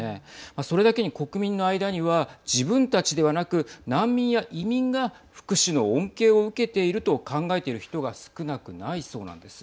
それだけに国民の間には自分たちではなく難民や移民が福祉の恩恵を受けていると考えている人が少なくないそうなんです。